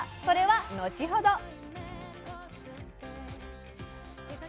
それは後ほど！